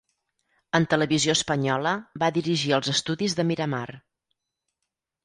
En Televisió espanyola va dirigir els estudis de Miramar.